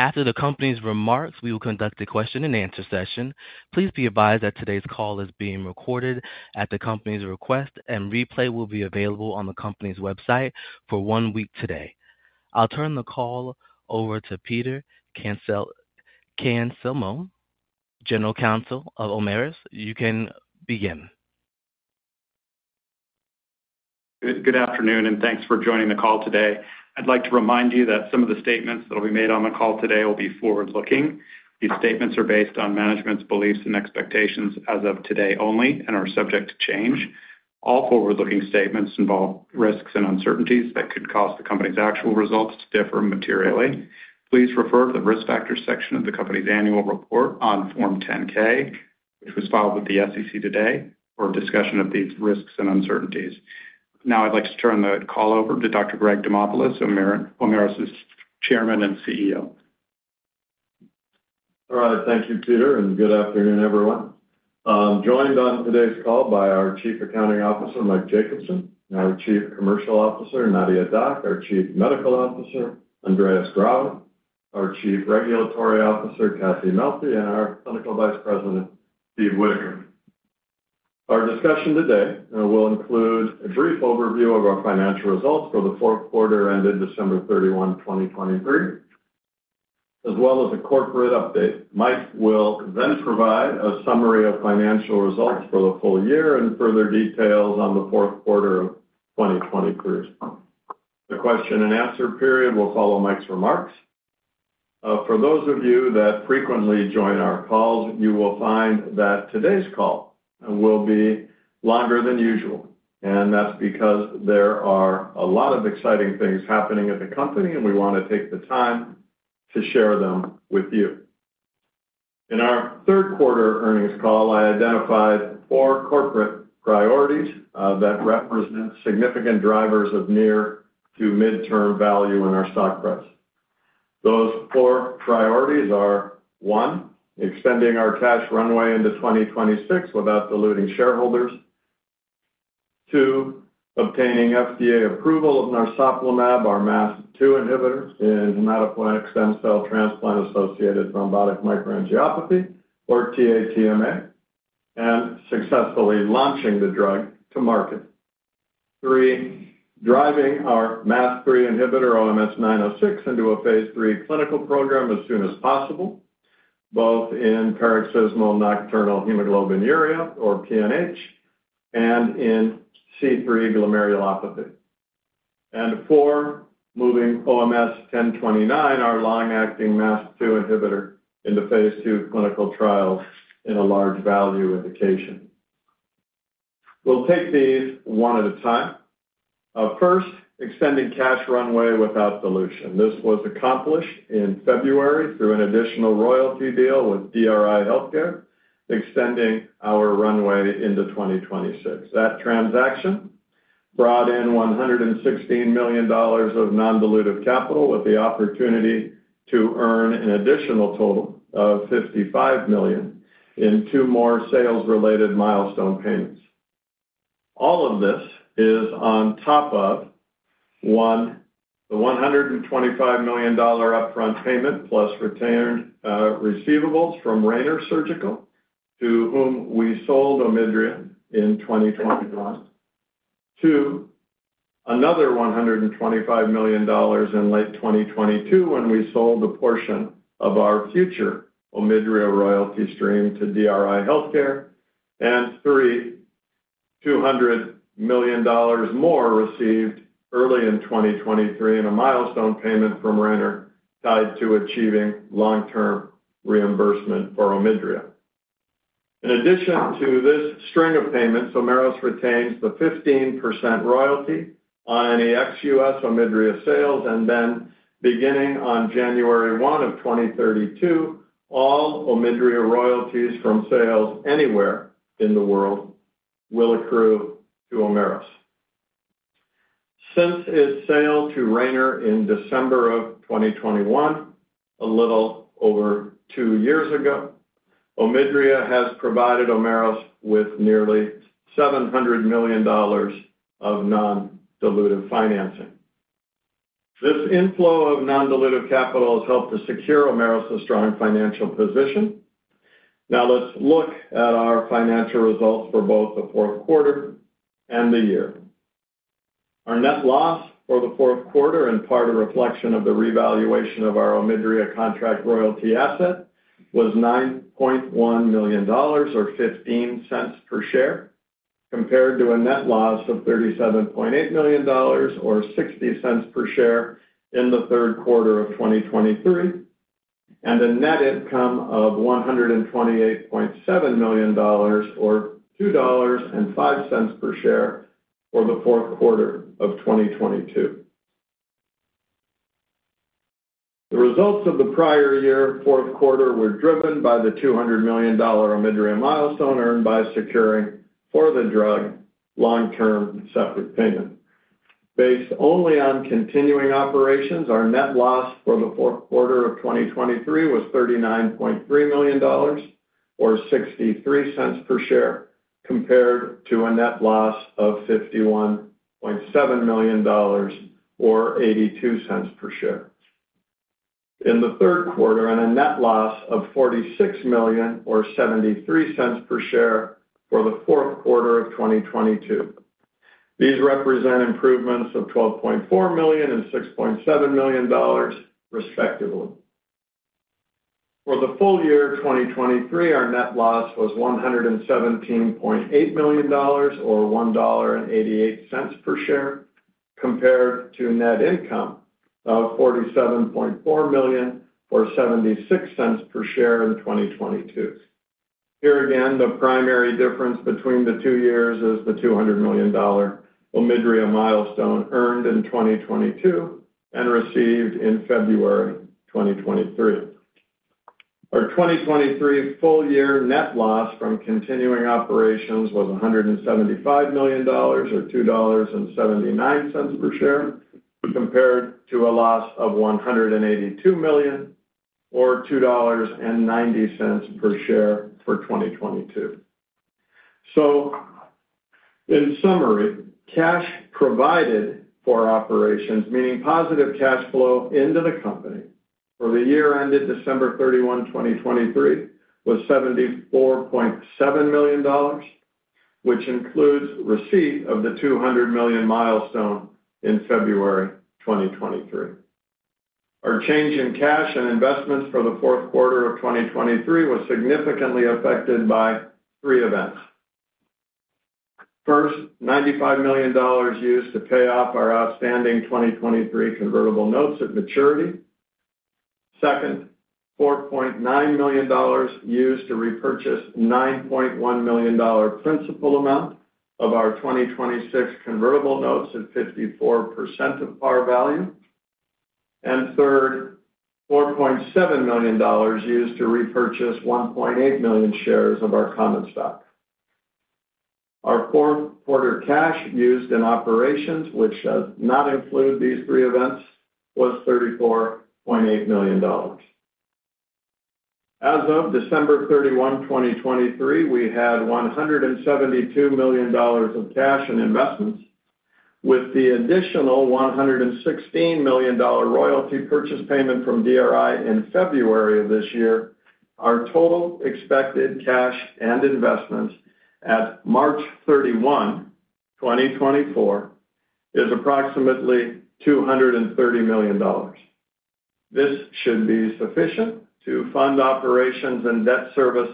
After the company's remarks, we will conduct a question-and-answer session. Please be advised that today's call is being recorded at the company's request, and replay will be available on the company's website for one week today. I'll turn the call over to Peter Cancelmo, General Counsel of Omeros. You can begin. Good afternoon, and thanks for joining the call today. I'd like to remind you that some of the statements that will be made on the call today will be forward-looking. These statements are based on management's beliefs and expectations as of today only and are subject to change. All forward-looking statements involve risks and uncertainties that could cause the company's actual results to differ materially. Please refer to the Risk Factors section of the company's annual report on Form 10-K, which was filed with the SEC today, for a discussion of these risks and uncertainties. Now I'd like to turn the call over to Dr. Gregory Demopulos, Omeros' Chairman and CEO. All right. Thank you, Peter, and good afternoon, everyone. I'm joined on today's call by our Chief Accounting Officer, Mike Jacobsen, and our Chief Commercial Officer, Nadia Dac, our Chief Medical Officer, Andreas Grauer, our Chief Regulatory Officer, Catherine Melfi, and our Clinical Vice President, Steve Whitaker. Our discussion today will include a brief overview of our financial results for the fourth quarter ended December 31, 2023, as well as a corporate update. Mike will then provide a summary of financial results for the full year and further details on the fourth quarter of 2023. The question-and-answer period will follow Mike's remarks. For those of you that frequently join our calls, you will find that today's call will be longer than usual, and that's because there are a lot of exciting things happening at the company, and we want to take the time to share them with you. In our third quarter earnings call, I identified four corporate priorities that represent significant drivers of near to midterm value in our stock price. Those four priorities are, one, extending our cash runway into 2026 without diluting shareholders. Two, obtaining FDA approval of narsoplimab, our MASP-2 inhibitor, in hematopoietic stem cell transplant-associated thrombotic microangiopathy, or TA-TMA, and successfully launching the drug to market. Three, driving our MASP-3 inhibitor, OMS906, into a phase III clinical program as soon as possible, both in paroxysmal nocturnal hemoglobinuria, or PNH, and in C3 glomerulopathy. Four, moving OMS1029, our long-acting MASP-2 inhibitor, into phase II clinical trials in a large value indication. We'll take these one at a time. First, extending cash runway without dilution. This was accomplished in February through an additional royalty deal with DRI Healthcare, extending our runway into 2026. That transaction brought in $116 million of non-dilutive capital, with the opportunity to earn an additional total of $55 million in two more sales-related milestone payments. All of this is on top of, one, the $125 million upfront payment plus retained receivables from Rayner Surgical, to whom we sold OMIDRIA in 2021. Two, another $125 million in late 2022 when we sold a portion of our future OMIDRIA royalty stream to DRI Healthcare. And three, $200 million more received early in 2023 in a milestone payment from Rayner tied to achieving long-term reimbursement for OMIDRIA. In addition to this string of payments, Omeros retains the 15% royalty on any ex-U.S. OMIDRIA sales, and then beginning on January 1 of 2032, all OMIDRIA royalties from sales anywhere in the world will accrue to Omeros. Since its sale to Rayner in December of 2021, a little over two years ago, OMIDRIA has provided Omeros with nearly $700 million of non-dilutive financing. This inflow of non-dilutive capital has helped to secure Omeros' strong financial position. Now, let's look at our financial results for both the fourth quarter and the year. Our net loss for the fourth quarter, and part a reflection of the revaluation of our OMIDRIA contract royalty asset, was $9.1 million or $0.15 per share, compared to a net loss of $37.8 million or $0.60 per share in the third quarter of 2023, and a net income of $128.7 million or $2.05 per share for the fourth quarter of 2022. The results of the prior year, fourth quarter, were driven by the $200 million OMIDRIA milestone earned by securing for the drug long-term separate payment. Based only on continuing operations, our net loss for the fourth quarter of 2023 was $39.3 million-... or $0.63 per share, compared to a net loss of $51.7 million or $0.82 per share in the third quarter, and a net loss of $46 million or $0.73 per share for the fourth quarter of 2022. These represent improvements of $12.4 million and $6.7 million, respectively. For the full year of 2023, our net loss was $117.8 million, or $1.88 per share, compared to net income of $47.4 million or $0.76 per share in 2022. Here again, the primary difference between the two years is the $200 million OMIDRIA milestone earned in 2022 and received in February 2023. Our 2023 full year net loss from continuing operations was $175 million, or $2.79 per share, compared to a loss of $182 million, or $2.90 per share for 2022. In summary, cash provided for operations, meaning positive cash flow into the company for the year ended December 31, 2023, was $74.7 million, which includes receipt of the $200 million milestone in February 2023. Our change in cash and investments for the fourth quarter of 2023 was significantly affected by three events. First, $95 million used to pay off our outstanding 2023 convertible notes at maturity. Second, $4.9 million used to repurchase $9.1 million principal amount of our 2026 convertible notes at 54% of par value. Third, $4.7 million used to repurchase 1.8 million shares of our common stock. Our fourth quarter cash used in operations, which does not include these three events, was $34.8 million. As of December 31, 2023, we had $172 million of cash and investments, with the additional $116 million royalty purchase payment from DRI in February of this year. Our total expected cash and investments at March 31, 2024, is approximately $230 million. This should be sufficient to fund operations and debt service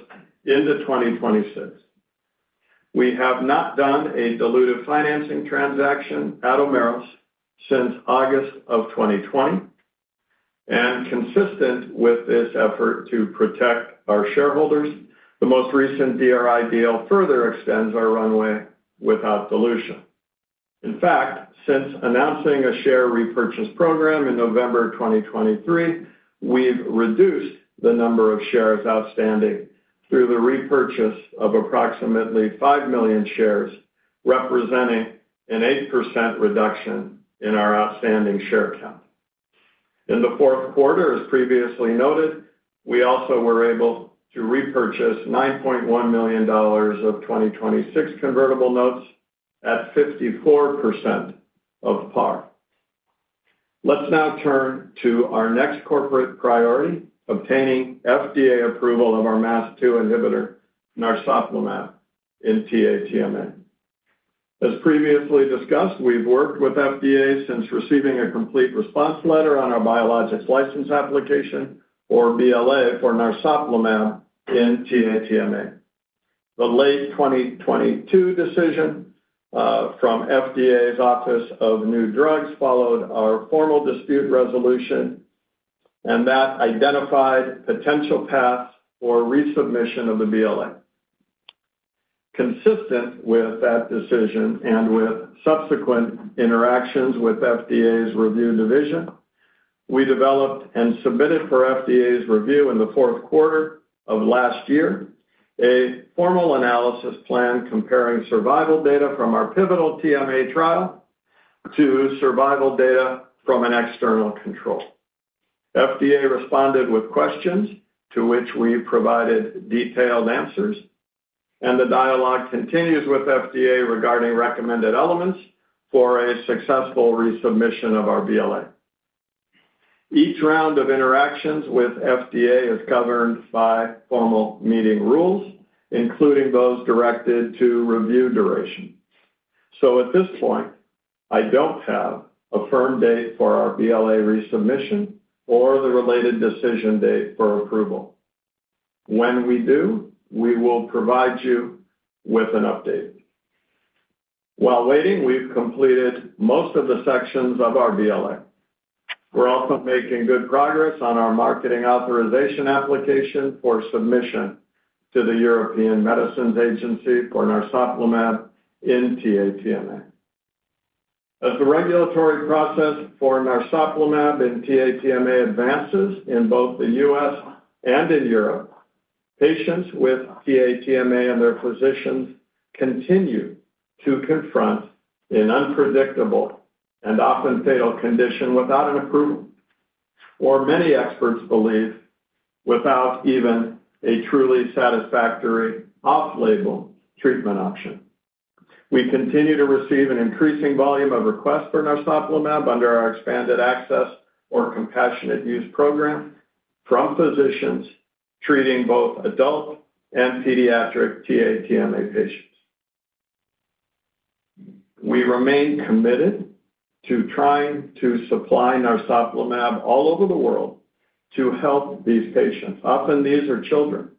into 2026. We have not done a dilutive financing transaction at Omeros since August of 2020, and consistent with this effort to protect our shareholders, the most recent DRI deal further extends our runway without dilution. In fact, since announcing a share repurchase program in November 2023, we've reduced the number of shares outstanding through the repurchase of approximately five million shares, representing an 8% reduction in our outstanding share count. In the fourth quarter, as previously noted, we also were able to repurchase $9.1 million of 2026 convertible notes at 54% of par. Let's now turn to our next corporate priority, obtaining FDA approval of our MASP-2 inhibitor, narsoplimab in TA-TMA. As previously discussed, we've worked with FDA since receiving a complete response letter on our biologics license application, or BLA, for narsoplimab in TA-TMA. The late 2022 decision from FDA's Office of New Drugs, followed our formal dispute resolution, and that identified potential paths for resubmission of the BLA. Consistent with that decision and with subsequent interactions with FDA's review division, we developed and submitted for FDA's review in the fourth quarter of last year, a formal analysis plan comparing survival data from our pivotal TMA trial to survival data from an external control. FDA responded with questions to which we provided detailed answers, and the dialogue continues with FDA regarding recommended elements for a successful resubmission of our BLA. Each round of interactions with FDA is governed by formal meeting rules, including those directed to review duration. So at this point, I don't have a firm date for our BLA resubmission or the related decision date for approval. When we do, we will provide you with an update. While waiting, we've completed most of the sections of our BLA. We're also making good progress on our marketing authorization application for submission to the European Medicines Agency for narsoplimab in TA-TMA. As the regulatory process for narsoplimab in TA-TMA advances in both the U.S. and in Europe, patients with TA-TMA and their physicians continue to confront an unpredictable and often fatal condition without an approval... or many experts believe, without even a truly satisfactory off-label treatment option. We continue to receive an increasing volume of requests for narsoplimab under our expanded access or compassionate use program from physicians treating both adult and pediatric TA-TMA patients. We remain committed to trying to supply narsoplimab all over the world to help these patients. Often, these are children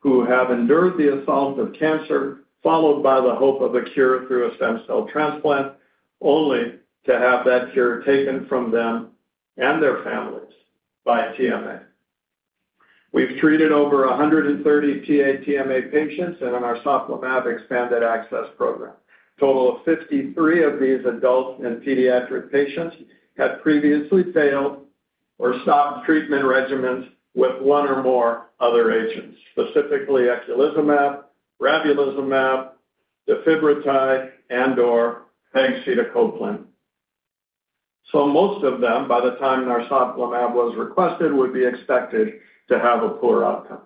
who have endured the assault of cancer, followed by the hope of a cure through a stem cell transplant, only to have that cure taken from them and their families by TMA. We've treated over 130 TA-TMA patients in our narsoplimab expanded access program. A total of 53 of these adult and pediatric patients had previously failed or stopped treatment regimens with one or more other agents, specifically eculizumab, ravulizumab, defibrotide, and/or pentostatin. So most of them, by the time narsoplimab was requested, would be expected to have a poor outcome.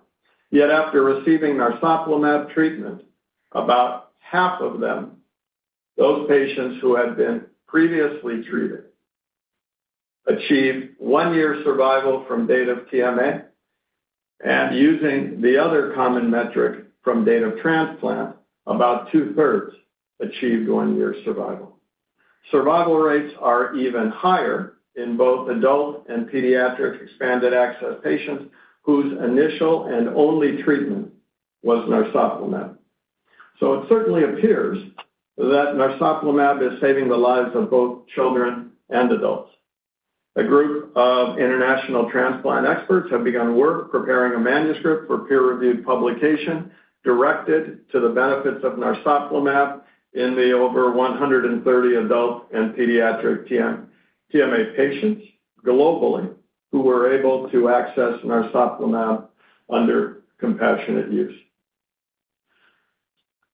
Yet, after receiving narsoplimab treatment, about half of them, those patients who had been previously treated, achieved one-year survival from date of TMA, and using the other common metric from date of transplant, about two-thirds achieved one-year survival. Survival rates are even higher in both adult and pediatric expanded access patients whose initial and only treatment was narsoplimab. So it certainly appears that narsoplimab is saving the lives of both children and adults. A group of international transplant experts have begun work preparing a manuscript for peer-reviewed publication, directed to the benefits of narsoplimab in the over 130 adult and pediatric TA-TMA patients globally, who were able to access narsoplimab under compassionate use.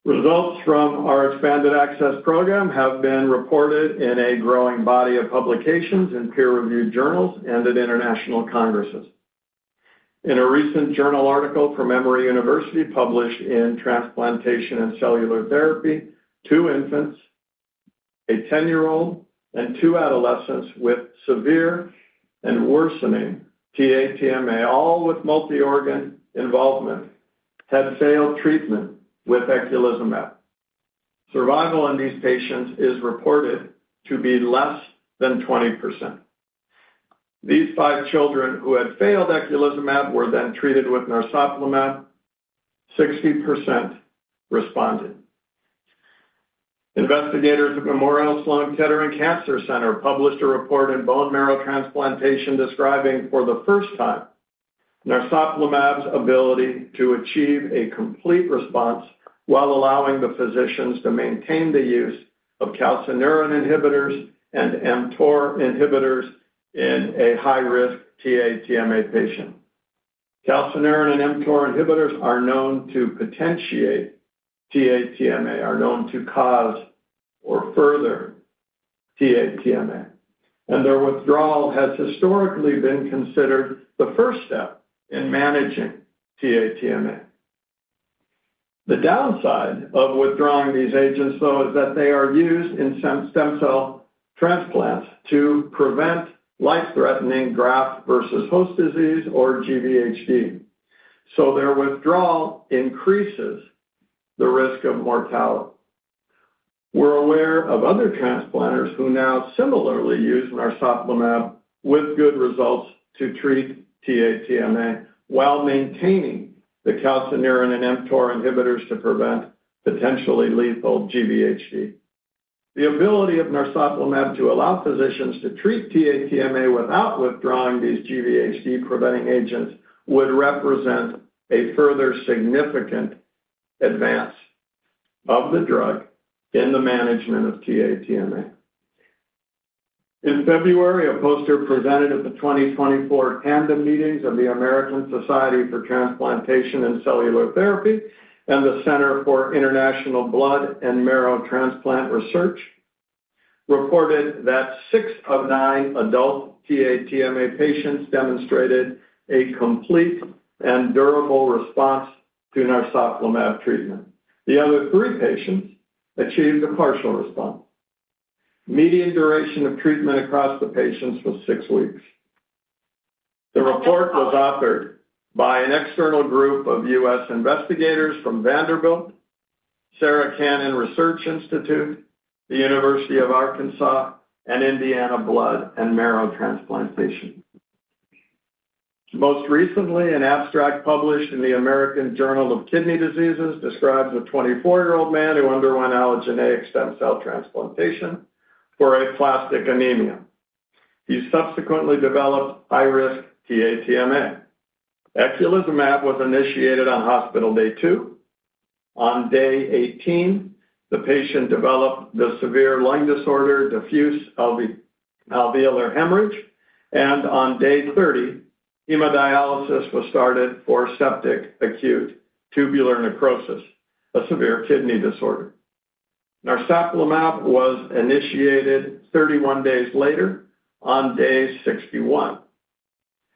Results from our expanded access program have been reported in a growing body of publications in peer-reviewed journals and at international congresses. In a recent journal article from Emory University, published in Transplantation and Cellular Therapy, two infants, a 10-year-old and two adolescents with severe and worsening TA-TMA, all with multi-organ involvement, had failed treatment with eculizumab. Survival in these patients is reported to be less than 20%. These five children who had failed eculizumab were then treated with narsoplimab. 60% responded. Investigators at Memorial Sloan Kettering Cancer Center published a report in Bone Marrow Transplantation, describing for the first time, narsoplimab's ability to achieve a complete response while allowing the physicians to maintain the use of calcineurin inhibitors and mTOR inhibitors in a high-risk TA-TMA patient. Calcineurin and mTOR inhibitors are known to potentiate TA-TMA, are known to cause or further TA-TMA, and their withdrawal has historically been considered the first step in managing TA-TMA. The downside of withdrawing these agents, though, is that they are used in stem cell transplants to prevent life-threatening graft versus host disease or GVHD, so their withdrawal increases the risk of mortality. We're aware of other transplanters who now similarly use narsoplimab with good results to treat TA-TMA while maintaining the calcineurin and mTOR inhibitors to prevent potentially lethal GVHD. The ability of narsoplimab to allow physicians to treat TA-TMA without withdrawing these GVHD-preventing agents would represent a further significant advance of the drug in the management of TA-TMA. In February, a poster presented at the 2024 Tandem Meetings of the American Society for Transplantation and Cellular Therapy and the Center for International Blood and Marrow Transplant Research reported that six of nine adult TA-TMA patients demonstrated a complete and durable response to narsoplimab treatment. The other three patients achieved a partial response. Median duration of treatment across the patients was six weeks. The report was authored by an external group of U.S. investigators from Vanderbilt, Sarah Cannon Research Institute, the University of Arkansas, and Indiana Blood and Marrow Transplantation. Most recently, an abstract published in the American Journal of Kidney Diseases describes a 24-year-old man who underwent allogeneic stem cell transplantation for aplastic anemia. He subsequently developed high-risk TA-TMA. Eculizumab was initiated on hospital day two. On day 18, the patient developed the severe lung disorder, diffuse alveolar hemorrhage, and on day 30, hemodialysis was started for septic acute tubular necrosis, a severe kidney disorder.... Narsoplimab was initiated 31 days later on day 61.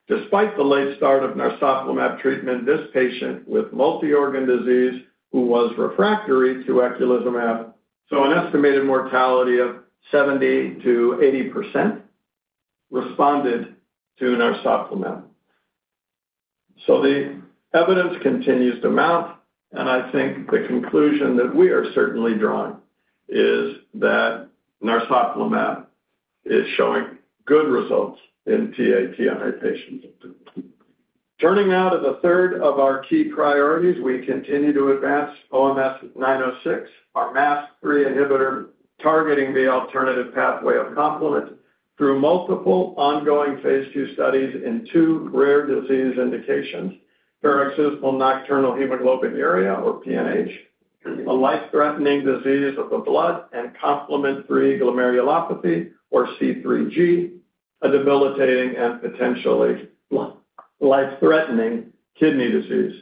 Despite the late start of narsoplimab treatment, this patient with multi-organ disease, who was refractory to eculizumab, so an estimated mortality of 70%-80%, responded to narsoplimab. So the evidence continues to mount, and I think the conclusion that we are certainly drawing is that narsoplimab is showing good results in TA-TMA patients. Turning now to the third of our key priorities, we continue to advance OMS906, our MASP-3 inhibitor, targeting the alternative pathway of complement through multiple ongoing phase II studies in two rare disease indications: paroxysmal nocturnal hemoglobinuria, or PNH, a life-threatening disease of the blood, and C3 glomerulopathy, or C3G, a debilitating and potentially life-threatening kidney disease.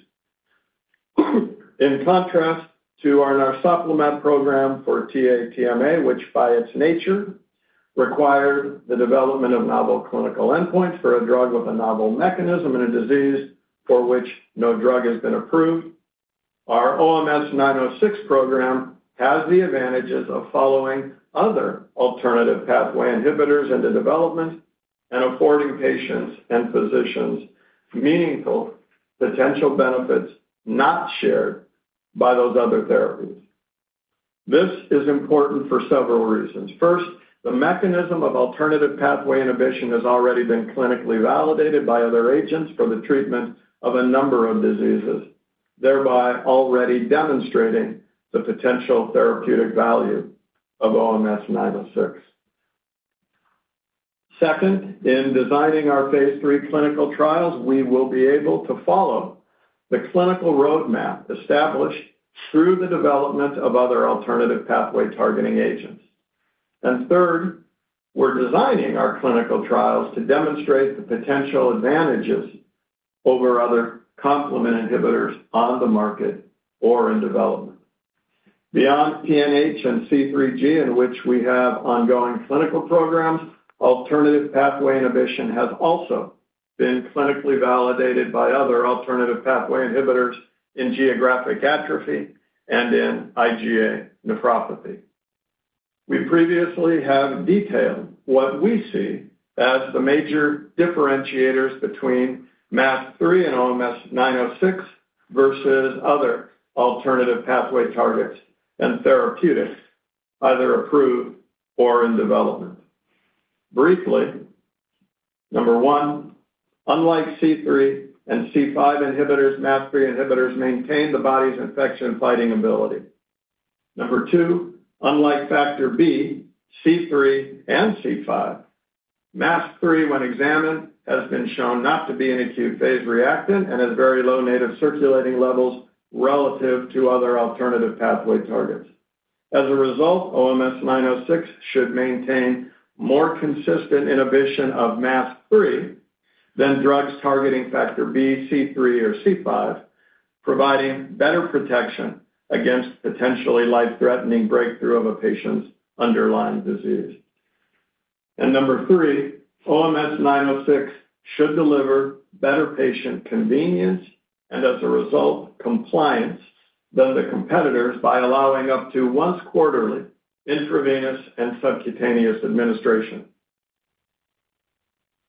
In contrast to our narsoplimab program for TA-TMA, which by its nature required the development of novel clinical endpoints for a drug with a novel mechanism and a disease for which no drug has been approved, our OMS906 program has the advantages of following other alternative pathway inhibitors into development and affording patients and physicians meaningful potential benefits not shared by those other therapies. This is important for several reasons. First, the mechanism of alternative pathway inhibition has already been clinically validated by other agents for the treatment of a number of diseases, thereby already demonstrating the potential therapeutic value of OMS906. Second, in designing our phase III clinical trials, we will be able to follow the clinical roadmap established through the development of other alternative pathway targeting agents. Third, we're designing our clinical trials to demonstrate the potential advantages over other complement inhibitors on the market or in development. Beyond PNH and C3G, in which we have ongoing clinical programs, alternative pathway inhibition has also been clinically validated by other alternative pathway inhibitors in geographic atrophy and in IgA nephropathy. We previously have detailed what we see as the major differentiators between MASP-3 and OMS906 versus other alternative pathway targets and therapeutics, either approved or in development. Briefly, number one, unlike C3 and C5 inhibitors, MASP-3 inhibitors maintain the body's infection fighting ability. Number two, unlike Factor B, C3, and C5, MASP-3, when examined, has been shown not to be an acute phase reactant and has very low native circulating levels relative to other alternative pathway targets. As a result, OMS906 should maintain more consistent inhibition of MASP-3 than drugs targeting Factor B, C3, or C5, providing better protection against potentially life-threatening breakthrough of a patient's underlying disease. And number three, OMS906 should deliver better patient convenience and, as a result, compliance than the competitors by allowing up to once quarterly intravenous and subcutaneous administration.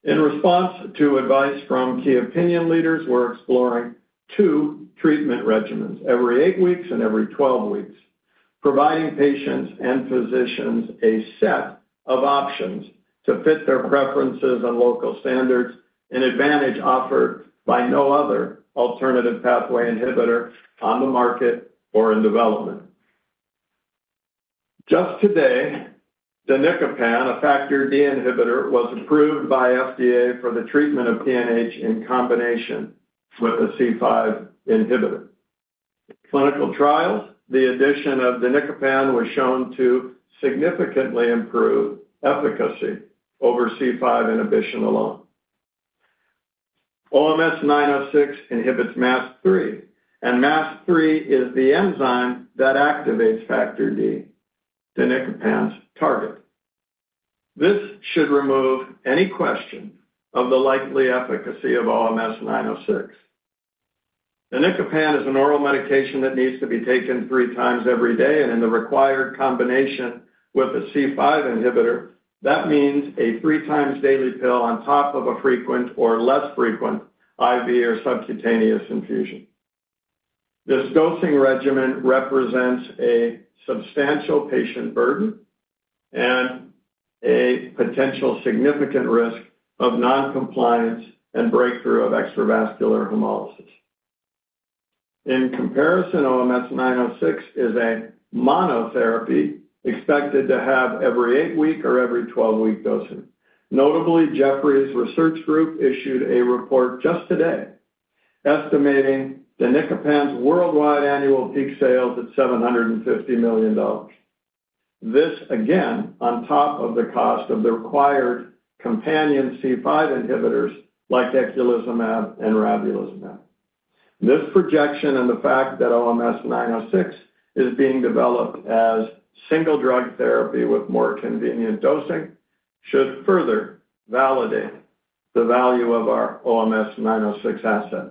In response to advice from key opinion leaders, we're exploring two treatment regimens, every eight weeks and every 12 weeks, providing patients and physicians a set of options to fit their preferences and local standards, an advantage offered by no other alternative pathway inhibitor on the market or in development. Just today, danicopan, a Factor D inhibitor, was approved by FDA for the treatment of PNH in combination with a C5 inhibitor. Clinical trials, the addition of danicopan was shown to significantly improve efficacy over C5 inhibition alone. OMS906 inhibits MASP-3, and MASP-3 is the enzyme that activates Factor D, danicopan's target. This should remove any question of the likely efficacy of OMS906. Danicopan is an oral medication that needs to be taken three times every day, and in the required combination with a C5 inhibitor, that means a three-times-daily pill on top of a frequent or less frequent IV or subcutaneous infusion. This dosing regimen represents a substantial patient burden and a potential significant risk of non-compliance and breakthrough of extravascular hemolysis. In comparison, OMS906 is a monotherapy expected to have every eight-week or every 12-week dosing. Notably, Jefferies Research Group issued a report just today, estimating danicopan's worldwide annual peak sales at $750 million. This, again, on top of the cost of the required companion C5 inhibitors like eculizumab and ravulizumab.... This projection and the fact that OMS906 is being developed as single drug therapy with more convenient dosing, should further validate the value of our OMS906 asset.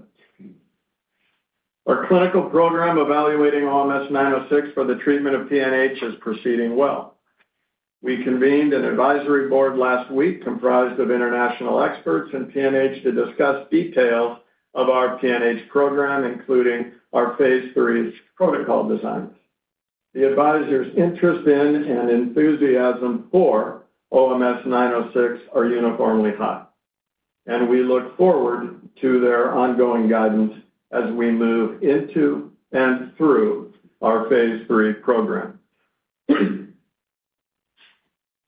Our clinical program evaluating OMS906 for the treatment of PNH is proceeding well. We convened an advisory board last week, comprised of international experts in PNH, to discuss details of our PNH program, including our phase III protocol designs. The advisors' interest in and enthusiasm for OMS906 are uniformly high, and we look forward to their ongoing guidance as we move into and through our phase III program.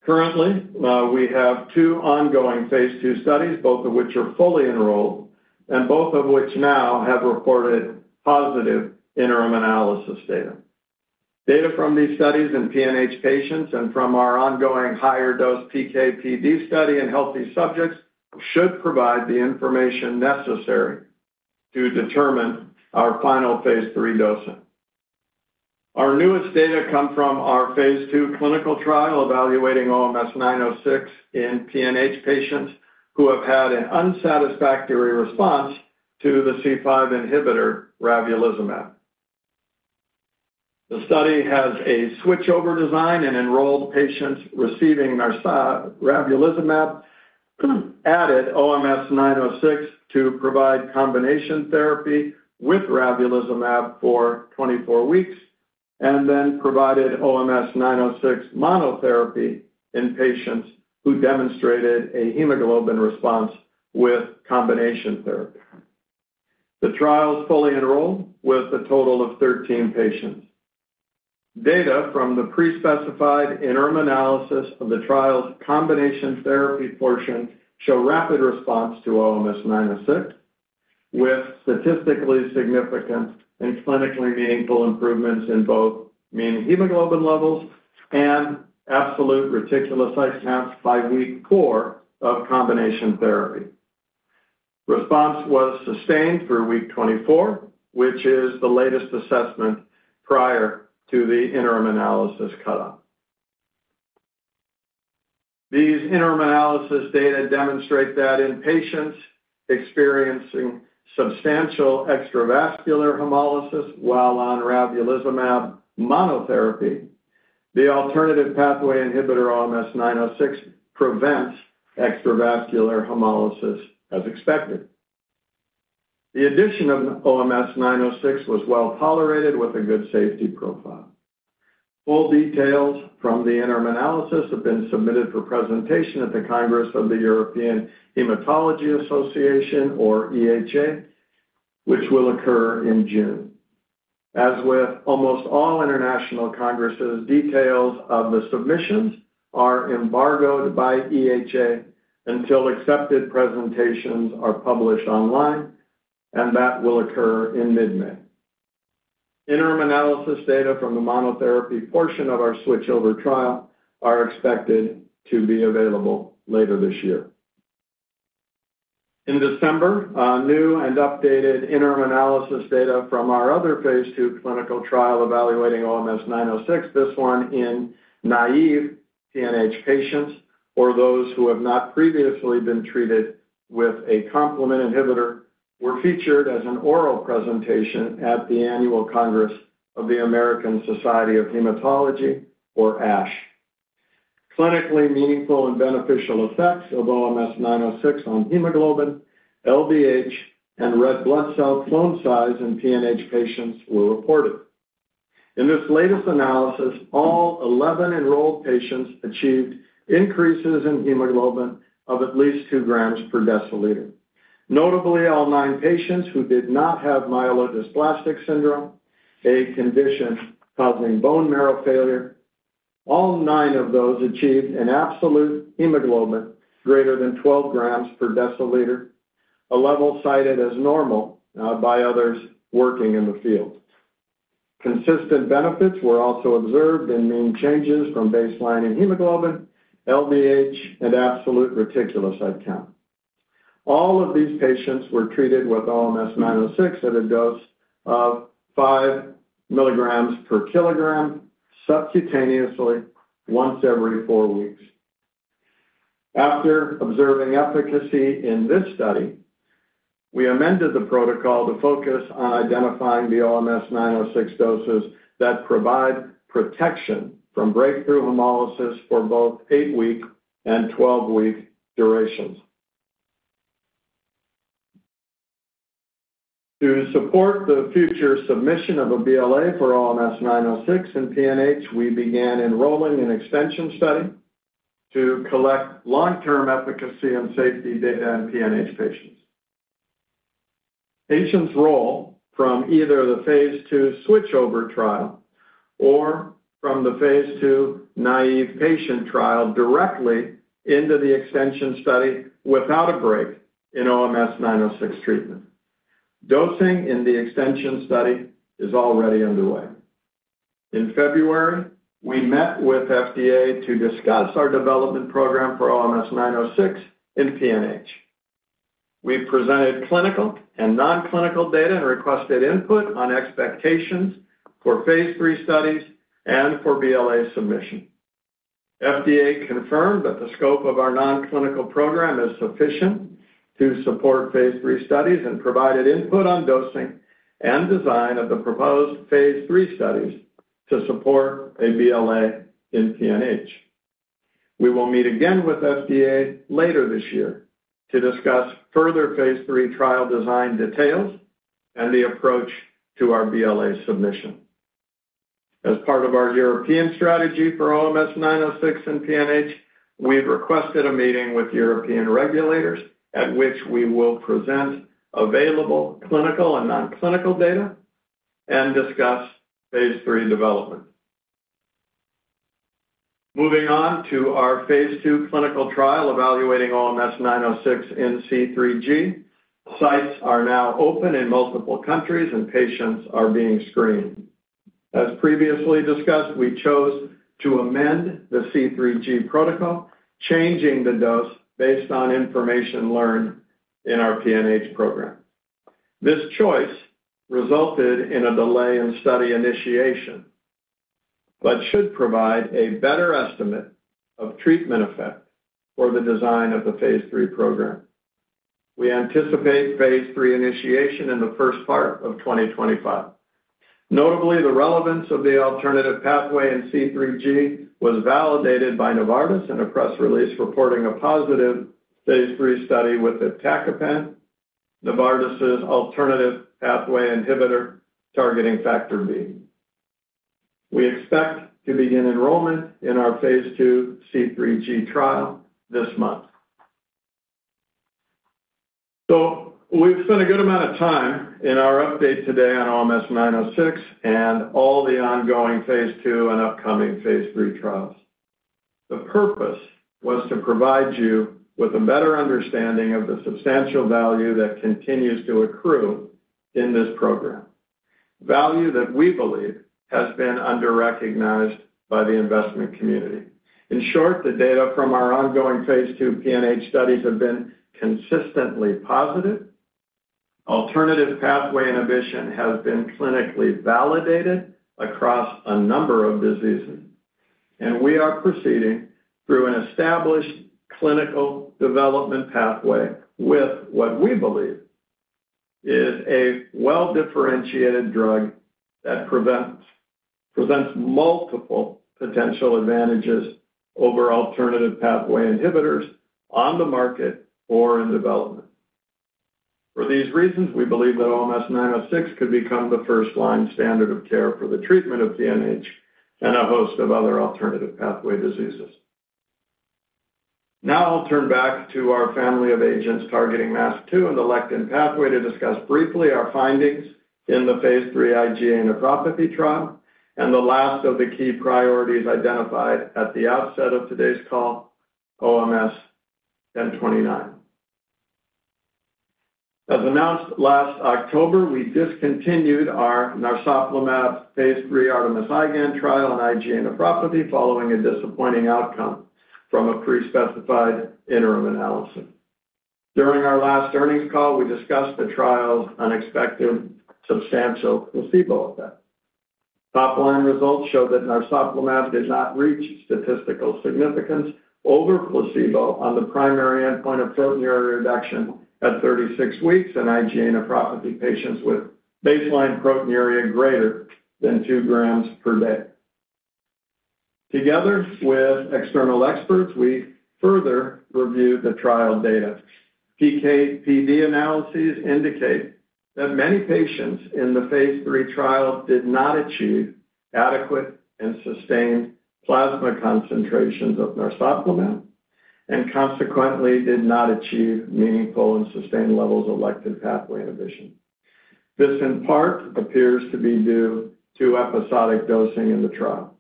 Currently, we have two ongoing phase II studies, both of which are fully enrolled and both of which now have reported positive interim analysis data. Data from these studies in PNH patients and from our ongoing higher dose PK/PD study in healthy subjects should provide the information necessary to determine our final phase III dosing. Our newest data come from our phase II clinical trial, evaluating OMS906 in PNH patients who have had an unsatisfactory response to the C5 inhibitor, ravulizumab. The study has a switchover design and enrolled patients receiving ravulizumab, added OMS906 to provide combination therapy with ravulizumab for 24 weeks, and then provided OMS906 monotherapy in patients who demonstrated a hemoglobin response with combination therapy. The trial is fully enrolled with a total of 13 patients. Data from the pre-specified interim analysis of the trial's combination therapy portion show rapid response to OMS906, with statistically significant and clinically meaningful improvements in both mean hemoglobin levels and absolute reticulocyte counts by week four of combination therapy. Response was sustained through week 24, which is the latest assessment prior to the interim analysis cut-off. These interim analysis data demonstrate that in patients experiencing substantial extravascular hemolysis while on ravulizumab monotherapy, the alternative pathway inhibitor, OMS906, prevents extravascular hemolysis as expected. The addition of OMS906 was well tolerated with a good safety profile. Full details from the interim analysis have been submitted for presentation at the Congress of the European Hematology Association, or EHA, which will occur in June. As with almost all international congresses, details of the submissions are embargoed by EHA until accepted presentations are published online, and that will occur in mid-May. Interim analysis data from the monotherapy portion of our switchover trial are expected to be available later this year. In December, new and updated interim analysis data from our other phase II clinical trial evaluating OMS906, this one in naive PNH patients, or those who have not previously been treated with a complement inhibitor, were featured as an oral presentation at the annual Congress of the American Society of Hematology, or ASH. Clinically meaningful and beneficial effects of OMS906 on hemoglobin, LDH, and red blood cell clone size in PNH patients were reported. In this latest analysis, all 11 enrolled patients achieved increases in hemoglobin of at least 2 g per deciliter. Notably, all nine patients who did not have myelodysplastic syndrome, a condition causing bone marrow failure, all nine of those achieved an absolute hemoglobin greater than 12 g per deciliter, a level cited as normal, by others working in the field. Consistent benefits were also observed in mean changes from baseline in hemoglobin, LDH, and absolute reticulocyte count. All of these patients were treated with OMS906 at a dose of 5 mg per kilogram, subcutaneously, once every four weeks. After observing efficacy in this study, we amended the protocol to focus on identifying the OMS906 doses that provide protection from breakthrough hemolysis for both eight-week and 12-week durations. To support the future submission of a BLA for OMS906 in PNH, we began enrolling an extension study to collect long-term efficacy and safety data in PNH patients. Patients roll from either the phase II switchover trial or from the phase II naive patient trial directly into the extension study without a break in OMS906 treatment. Dosing in the extension study is already underway.... In February, we met with FDA to discuss our development program for OMS906 in PNH. We presented clinical and non-clinical data and requested input on expectations for phase III studies and for BLA submission. FDA confirmed that the scope of our non-clinical program is sufficient to support phase III studies and provided input on dosing and design of the proposed phase III studies to support a BLA in PNH. We will meet again with FDA later this year to discuss further phase III trial design details and the approach to our BLA submission. As part of our European strategy for OMS906 in PNH, we've requested a meeting with European regulators, at which we will present available clinical and non-clinical data and discuss phase III development. Moving on to our phase II clinical trial evaluating OMS906 in C3G, sites are now open in multiple countries, and patients are being screened. As previously discussed, we chose to amend the C3G protocol, changing the dose based on information learned in our PNH program. This choice resulted in a delay in study initiation, but should provide a better estimate of treatment effect for the design of the phase III program. We anticipate phase III initiation in the first part of 2025. Notably, the relevance of the alternative pathway in C3G was validated by Novartis in a press release reporting a positive phase III study with iptacopan, Novartis' alternative pathway inhibitor targeting Factor B. We expect to begin enrollment in our phase II C3G trial this month. So we've spent a good amount of time in our update today on OMS906 and all the ongoing phase II and upcoming phase III trials. The purpose was to provide you with a better understanding of the substantial value that continues to accrue in this program, value that we believe has been under-recognized by the investment community. In short, the data from our ongoing phase II PNH studies have been consistently positive. Alternative pathway inhibition has been clinically validated across a number of diseases, and we are proceeding through an established clinical development pathway with what we believe is a well-differentiated drug that presents multiple potential advantages over alternative pathway inhibitors on the market or in development. For these reasons, we believe that OMS906 could become the first-line standard of care for the treatment of PNH and a host of other alternative pathway diseases. Now I'll turn back to our family of agents targeting MASP-2 and the lectin pathway to discuss briefly our findings in the phase III IgA nephropathy trial and the last of the key priorities identified at the outset of today's call, OMS1029. As announced last October, we discontinued our narsoplimab phase III ARTEMIS-IgAN trial in IgA nephropathy following a disappointing outcome from a pre-specified interim analysis. During our last earnings call, we discussed the trial's unexpected substantial placebo effect. Top-line results show that narsoplimab did not reach statistical significance over placebo on the primary endpoint of proteinuria reduction at 36 weeks in IgA nephropathy patients with baseline proteinuria greater than 2 grams per day. Together with external experts, we further reviewed the trial data. PK/PD analyses indicate that many patients in the phase III trial did not achieve adequate and sustained plasma concentrations of narsoplimab and consequently did not achieve meaningful and sustained levels of lectin pathway inhibition. This, in part, appears to be due to episodic dosing in the trial.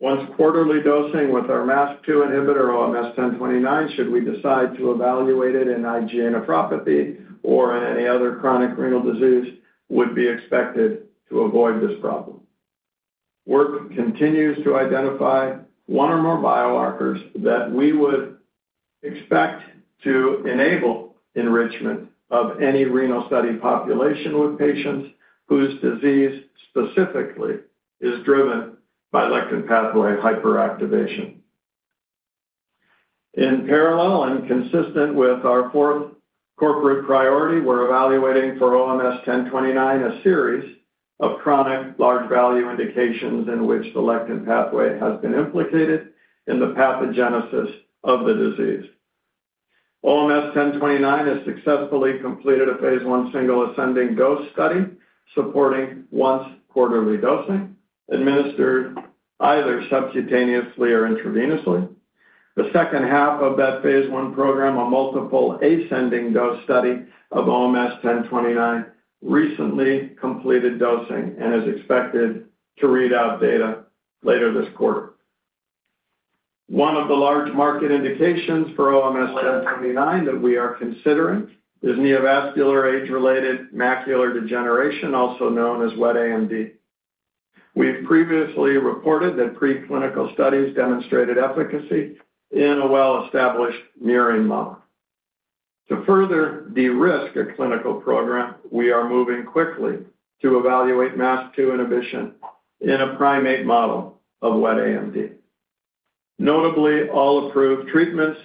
Once quarterly dosing with our MASP-2 inhibitor, OMS1029, should we decide to evaluate it in IgA nephropathy or in any other chronic renal disease, would be expected to avoid this problem. Work continues to identify one or more biomarkers that we would expect to enable enrichment of any renal study population with patients whose disease specifically is driven by lectin pathway hyperactivation. In parallel and consistent with our fourth corporate priority, we're evaluating for OMS1029 a series of chronic large value indications in which the lectin pathway has been implicated in the pathogenesis of the disease. OMS1029 has successfully completed a phase I single ascending dose study, supporting once quarterly dosing, administered either subcutaneously or intravenously. The second half of that phase I program, a multiple ascending dose study of OMS1029, recently completed dosing and is expected to read out data later this quarter. One of the large market indications for OMS1029 that we are considering is neovascular age-related macular degeneration, also known as wet AMD. We've previously reported that preclinical studies demonstrated efficacy in a well-established murine model. To further de-risk a clinical program, we are moving quickly to evaluate MASP-2 inhibition in a primate model of wet AMD. Notably, all approved treatments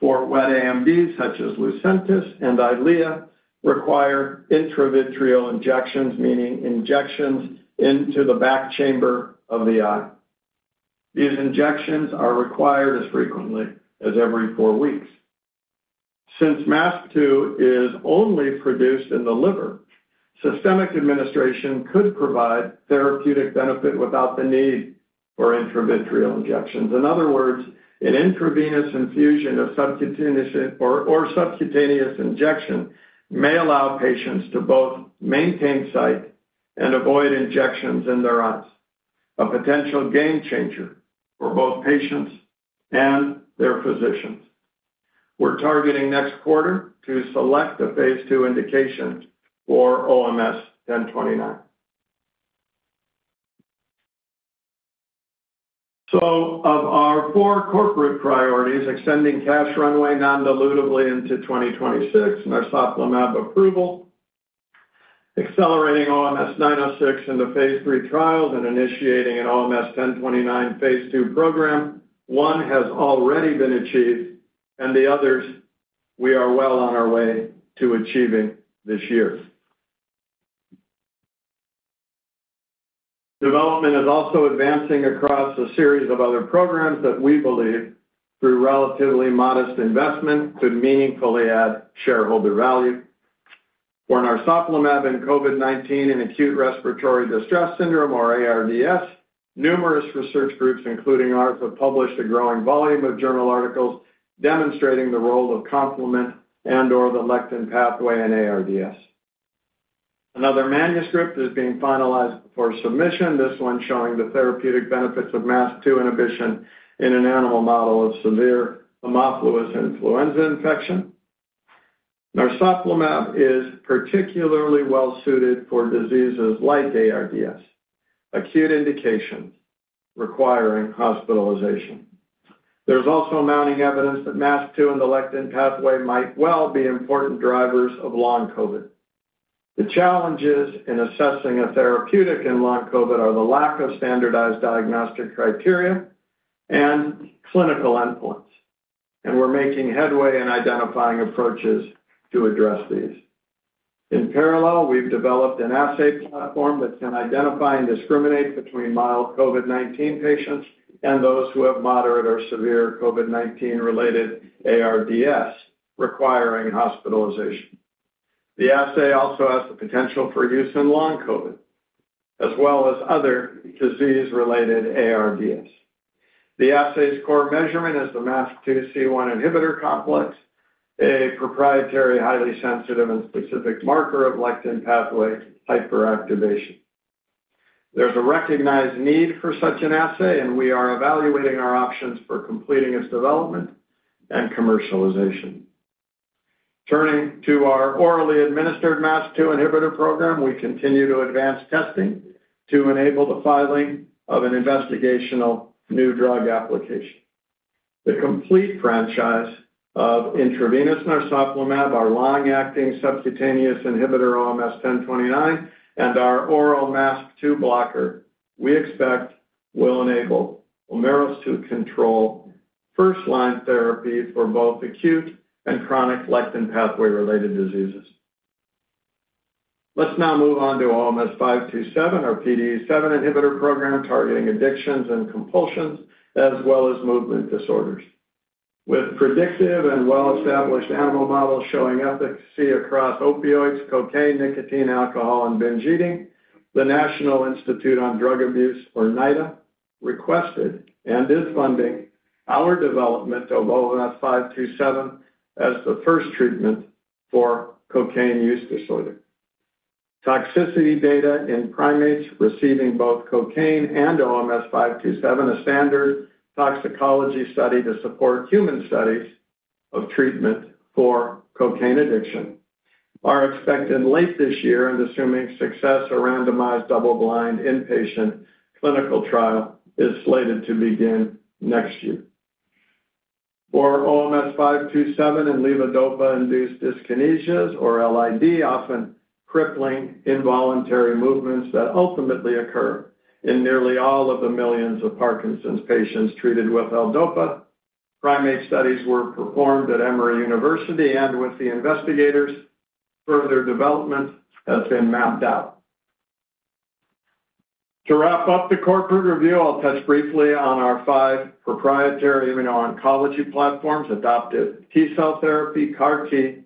for wet AMD, such as Lucentis and Eylea, require intravitreal injections, meaning injections into the back chamber of the eye. These injections are required as frequently as every four weeks. Since MASP-2 is only produced in the liver, systemic administration could provide therapeutic benefit without the need for intravitreal injections. In other words, an intravenous infusion or subcutaneous injection may allow patients to both maintain sight and avoid injections in their eyes, a potential game changer for both patients and their physicians. We're targeting next quarter to select a phase II indication for OMS1029. Of our four corporate priorities, extending cash runway non-dilutively into 2026, narsoplimab approval, accelerating OMS906 into phase III trials, and initiating an OMS1029 phase II program, one has already been achieved, and the others, we are well on our way to achieving this year. Development is also advancing across a series of other programs that we believe, through relatively modest investment, could meaningfully add shareholder value. For narsoplimab in COVID-19 in acute respiratory distress syndrome, or ARDS, numerous research groups, including ours, have published a growing volume of journal articles demonstrating the role of complement and/or the lectin pathway in ARDS. Another manuscript is being finalized for submission, this one showing the therapeutic benefits of MASP-2 inhibition in an animal model of severe Haemophilus influenzae infection. Narsoplimab is particularly well-suited for diseases like ARDS, acute indications requiring hospitalization. There's also mounting evidence that MASP-2 and the lectin pathway might well be important drivers of long COVID. The challenges in assessing a therapeutic in long COVID are the lack of standardized diagnostic criteria and clinical endpoints, and we're making headway in identifying approaches to address these. In parallel, we've developed an assay platform that can identify and discriminate between mild COVID-19 patients and those who have moderate or severe COVID-19-related ARDS, requiring hospitalization. The assay also has the potential for use in long COVID, as well as other disease-related ARDS. The assay's core measurement is the MASP-2 C1 inhibitor complex, a proprietary, highly sensitive and specific marker of lectin pathway hyperactivation. There's a recognized need for such an assay, and we are evaluating our options for completing its development and commercialization. Turning to our orally administered MASP-2 inhibitor program, we continue to advance testing to enable the filing of an investigational new drug application. The complete franchise of intravenous narsoplimab, our long-acting subcutaneous inhibitor, OMS1029, and our oral MASP-2 blocker, we expect will enable Omeros to control first-line therapy for both acute and chronic lectin pathway-related diseases. Let's now move on to OMS527, our PDE7 inhibitor program, targeting addictions and compulsions, as well as movement disorders. With predictive and well-established animal models showing efficacy across opioids, cocaine, nicotine, alcohol, and binge eating, the National Institute on Drug Abuse, or NIDA, requested and is funding our development of OMS527 as the first treatment for cocaine use disorder. Toxicity data in primates receiving both cocaine and OMS527, a standard toxicology study to support human studies of treatment for cocaine addiction, are expected late this year, and assuming success, a randomized, double-blind, inpatient clinical trial is slated to begin next year. For OMS527 and levodopa-induced dyskinesias, or LID, often crippling involuntary movements that ultimately occur in nearly all of the millions of Parkinson's patients treated with L-dopa, primate studies were performed at Emory University, and with the investigators, further development has been mapped out. To wrap up the corporate review, I'll touch briefly on our five proprietary immuno-oncology platforms, adoptive T-cell therapy, CAR-T,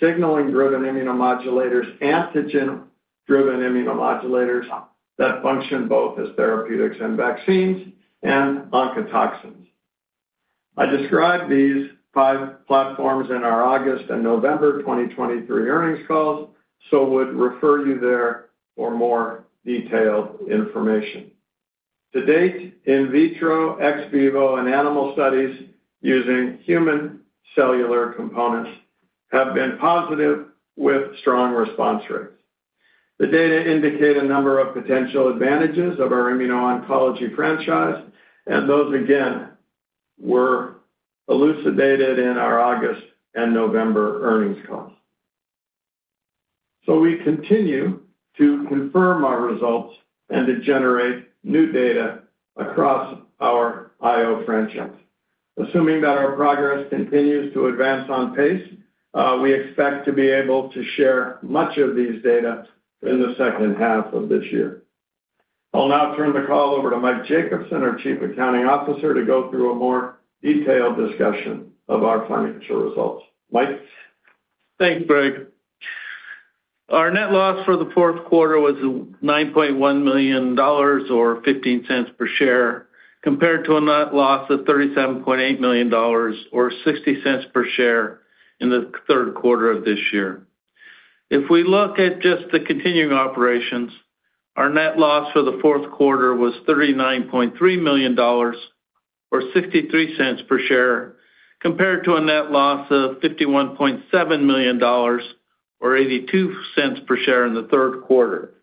signaling-driven immunomodulators, antigen-driven immunomodulators that function both as therapeutics and vaccines, and oncotoxins. I described these five platforms in our August and November 2023 earnings calls... so would refer you there for more detailed information. To date, in vitro, ex vivo, and animal studies using human cellular components have been positive with strong response rates. The data indicate a number of potential advantages of our immuno-oncology franchise, and those, again, were elucidated in our August and November earnings calls. So we continue to confirm our results and to generate new data across our IO franchise. Assuming that our progress continues to advance on pace, we expect to be able to share much of these data in the second half of this year. I'll now turn the call over to Mike Jacobsen, our Chief Accounting Officer, to go through a more detailed discussion of our financial results. Mike? Thanks, Greg. Our net loss for the fourth quarter was $9.1 million, or $0.15 per share, compared to a net loss of $37.8 million, or $0.60 per share in the third quarter of this year. If we look at just the continuing operations, our net loss for the fourth quarter was $39.3 million, or $0.63 per share, compared to a net loss of $51.7 million, or $0.82 per share in the third quarter.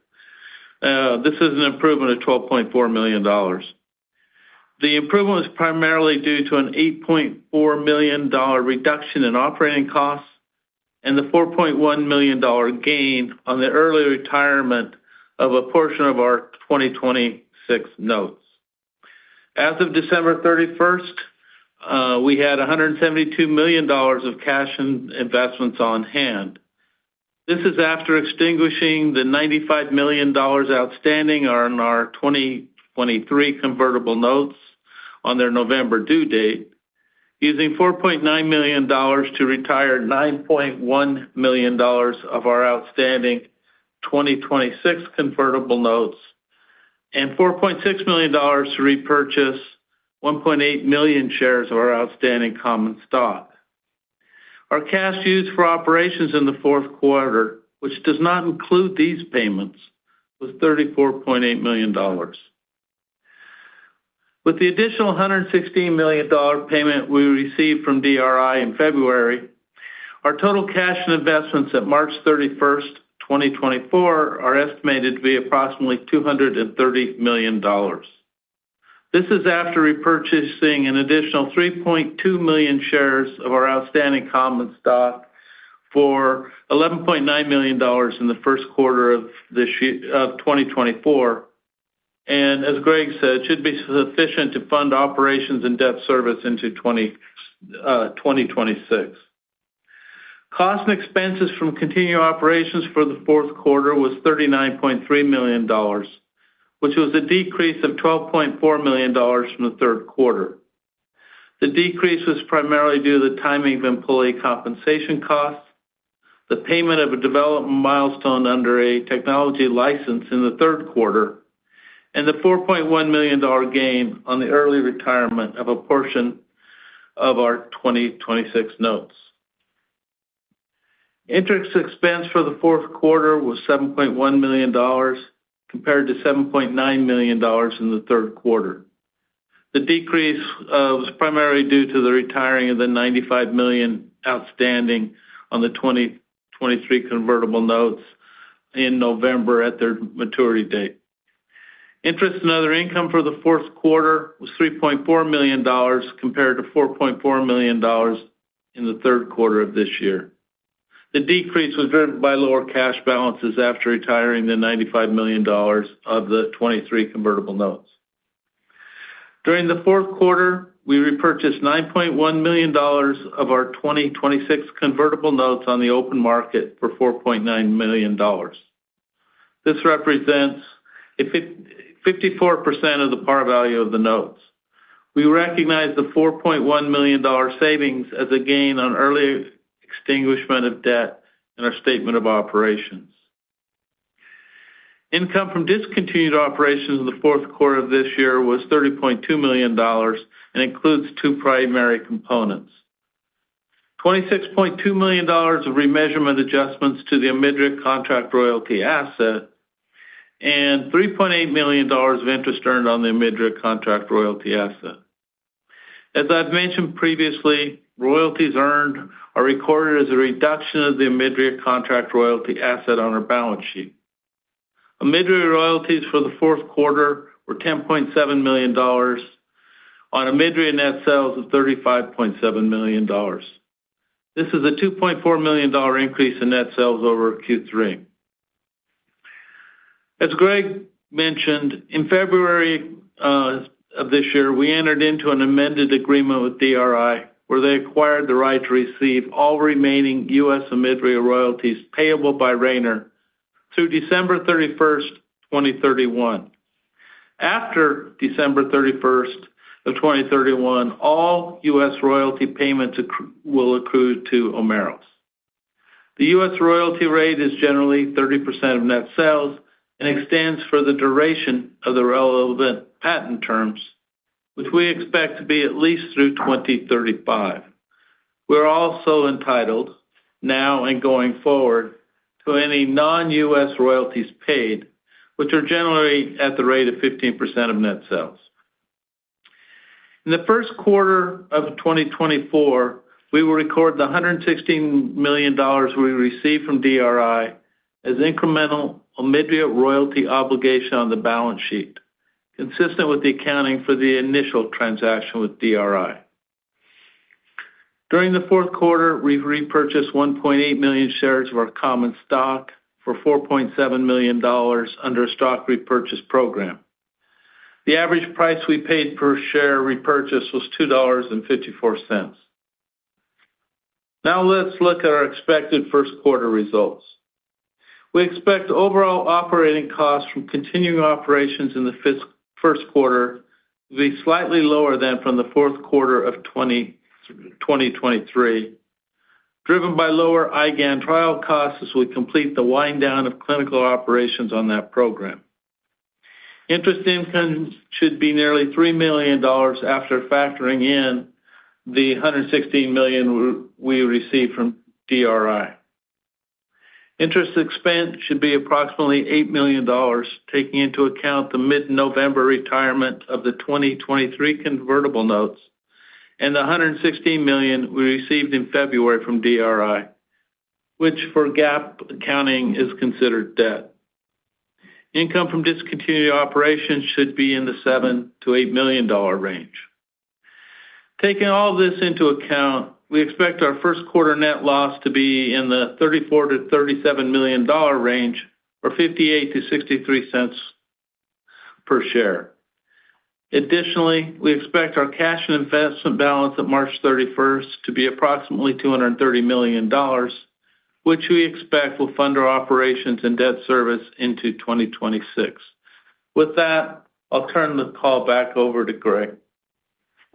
This is an improvement of $12.4 million. The improvement was primarily due to an $8.4 million gain on the early retirement of a portion of our 2026 notes. As of December 31, we had $172 million of cash and investments on hand. This is after extinguishing the $95 million outstanding on our 2023 convertible notes on their November due date, using $4.9 million to retire $9.1 million of our outstanding 2026 convertible notes, and $4.6 million to repurchase 1.8 million shares of our outstanding common stock. Our cash used for operations in the fourth quarter, which does not include these payments, was $34.8 million. With the additional $116 million payment we received from DRI in February, our total cash and investments at March 31, 2024, are estimated to be approximately $230 million. This is after repurchasing an additional 3.2 million shares of our outstanding common stock for $11.9 million in the first quarter of this year of 2024, and as Greg said, should be sufficient to fund operations and debt service into 2026. Cost and expenses from continuing operations for the fourth quarter was $39.3 million, which was a decrease of $12.4 million from the third quarter. The decrease was primarily due to the timing of employee compensation costs, the payment of a development milestone under a technology license in the third quarter, and the $4.1 million dollar gain on the early retirement of a portion of our 2026 notes. Interest expense for the fourth quarter was $7.1 million, compared to $7.9 million in the third quarter. The decrease was primarily due to the retiring of the $95 million outstanding on the 2023 convertible notes in November at their maturity date. Interest and other income for the fourth quarter was $3.4 million, compared to $4.4 million in the third quarter of this year. The decrease was driven by lower cash balances after retiring the $95 million of the 2023 convertible notes. During the fourth quarter, we repurchased $9.1 million of our 2026 convertible notes on the open market for $4.9 million. This represents a 54% of the par value of the notes. We recognize the $4.1 million savings as a gain on early extinguishment of debt in our statement of operations. Income from discontinued operations in the fourth quarter of this year was $30.2 million and includes two primary components: $26.2 million of remeasurement adjustments to the OMIDRIA contract royalty asset and $3.8 million of interest earned on the OMIDRIA contract royalty asset. As I've mentioned previously, royalties earned are recorded as a reduction of the OMIDRIA contract royalty asset on our balance sheet. OMIDRIA royalties for the fourth quarter were $10.7 million on OMIDRIA net sales of $35.7 million. This is a $2.4 million dollar increase in net sales over Q3. As Greg mentioned, in February of this year, we entered into an amended agreement with DRI, where they acquired the right to receive all remaining U.S. OMIDRIA royalties payable by Rayner through December 31, 2031. After December 31, 2031, all U.S. royalty payments will accrue to Omeros. The U.S. royalty rate is generally 30% of net sales and extends for the duration of the relevant patent terms, which we expect to be at least through 2035. We're also entitled, now and going forward, to any non-U.S. royalties paid, which are generally at the rate of 15% of net sales. In the first quarter of 2024, we will record the $116 million we received from DRI as incremental OMIDRIA royalty obligation on the balance sheet, consistent with the accounting for the initial transaction with DRI. During the fourth quarter, we've repurchased 1.8 million shares of our common stock for $4.7 million under a stock repurchase program. The average price we paid per share repurchase was $2.54. Now let's look at our expected first quarter results. We expect overall operating costs from continuing operations in the first quarter to be slightly lower than from the fourth quarter of 2023, driven by lower IgAN trial costs as we complete the wind down of clinical operations on that program. Interest income should be nearly $3 million after factoring in the $116 million we received from DRI. Interest expense should be approximately $8 million, taking into account the mid-November retirement of the 2023 convertible notes and the $116 million we received in February from DRI, which for GAAP accounting is considered debt. Income from discontinued operations should be in the $7 million-$8 million range. Taking all this into account, we expect our first quarter net loss to be in the $34 million-$37 million range, or $0.58-$0.63 per share. Additionally, we expect our cash and investment balance at March 31 to be approximately $230 million, which we expect will fund our operations and debt service into 2026. With that, I'll turn the call back over to Greg.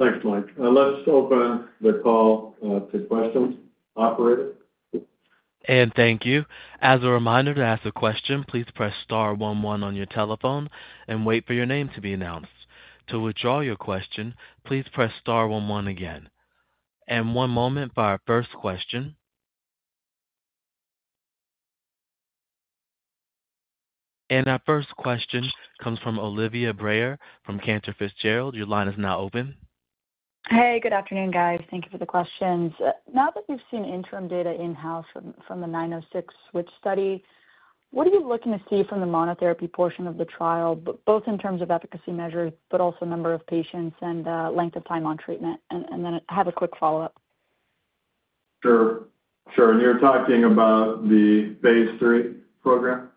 Thanks, Mike. Let's open the call to questions. Operator? Thank you. As a reminder, to ask a question, please press star one one on your telephone and wait for your name to be announced. To withdraw your question, please press star one one again. One moment for our first question. Our first question comes from Olivia Brayer from Cantor Fitzgerald. Your line is now open. Hey, good afternoon, guys. Thank you for the questions. Now that we've seen interim data in-house from the nine oh six switch study, what are you looking to see from the monotherapy portion of the trial, both in terms of efficacy measures, but also number of patients and length of time on treatment? And then I have a quick follow-up. Sure. Sure, and you're talking about the phase III program?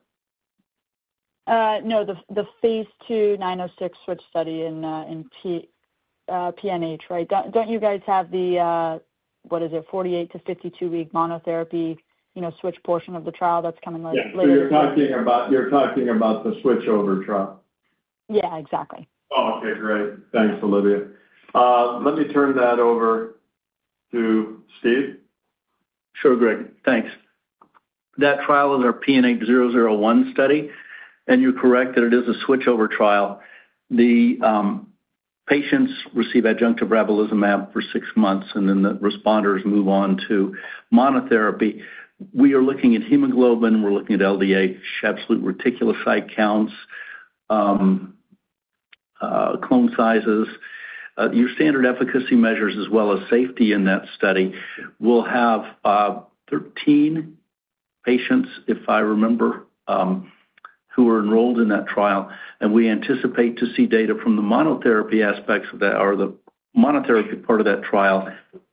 No, the phase II OMS906 switch study in PNH, right? Don't you guys have the, what is it, 48- to 52-week monotherapy, you know, switch portion of the trial that's coming like later? Yeah. So you're talking about, you're talking about the switchover trial? Yeah, exactly. Oh, okay, great. Thanks, Olivia. Let me turn that over to Steve. Sure, Greg, thanks. That trial is our PNH 001 study, and you're correct that it is a switchover trial. The patients receive adjunct ravulizumab for six months, and then the responders move on to monotherapy. We are looking at hemoglobin, we're looking at LDH, absolute reticulocyte counts, clone sizes, your standard efficacy measures as well as safety in that study. We'll have 13 patients, if I remember, who are enrolled in that trial, and we anticipate to see data from the monotherapy aspects of that or the monotherapy part of that trial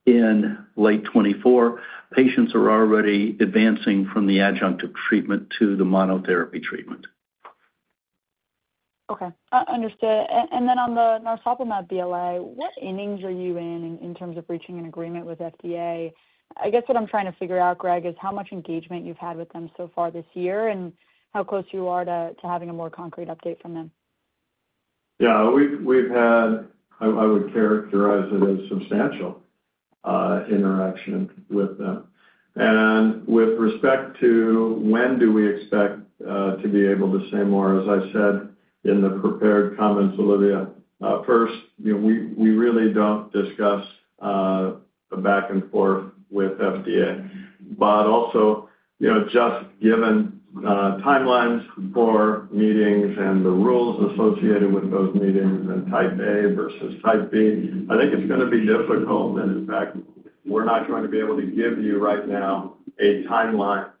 in late 2024. Patients are already advancing from the adjunctive treatment to the monotherapy treatment. Okay. Understood. And then on the narsoplimab BLA, what innings are you in, in terms of reaching an agreement with FDA? I guess what I'm trying to figure out, Greg, is how much engagement you've had with them so far this year and how close you are to having a more concrete update from them. we've had substantial interaction with them. I would characterize it as substantial interaction with them. With respect to when do we expect to be able to say more, as I said in the prepared comments, Olivia, first, you know, we really don't discuss the back and forth with FDA. But also, you know, just given timelines for meetings and the rules associated with those meetings and Type A versus Type B, I think it's gonna be difficult, and in fact, we're not going to be able to give you right now a timeline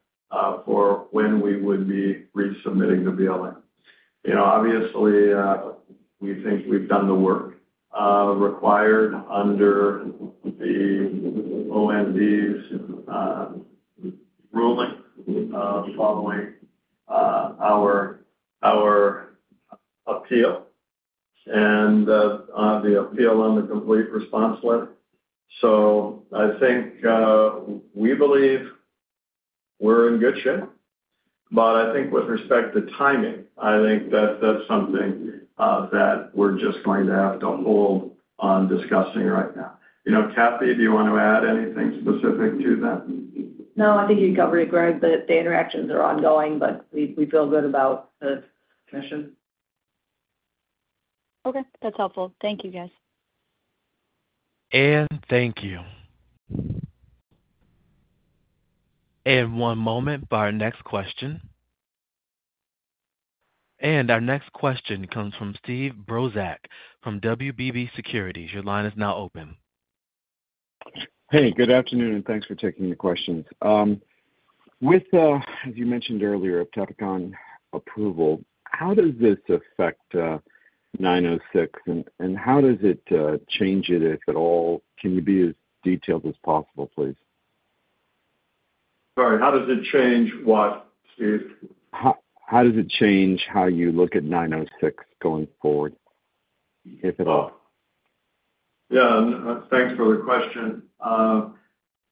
for when we would be resubmitting the BLA. You know, obviously, we think we've done the work required under the judge's ruling following our appeal and the complete response letter. So I think, we believe we're in good shape, but I think with respect to timing, I think that that's something that we're just going to have to hold on discussing right now. You know, Kathy, do you want to add anything specific to that? No, I think you covered it, Greg, that the interactions are ongoing, but we feel good about the commission.... Okay, that's helpful. Thank you, guys. And thank you. One moment for our next question. Our next question comes from Steve Brozak from WBB Securities. Your line is now open. Hey, good afternoon, and thanks for taking the questions. With, as you mentioned earlier, of iptacopan approval, how does this affect 906, and how does it change it, if at all? Can you be as detailed as possible, please? Sorry, how does it change what, Steve? How does it change how you look at 906 going forward, if at all? Yeah, thanks for the question.